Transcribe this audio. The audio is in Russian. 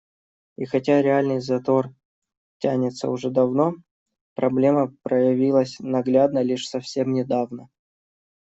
И хотя реальный затор тянется уже давно, проблема проявилась наглядно лишь совсем недавно.